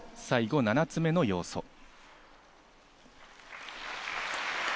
最後７つ目の要素。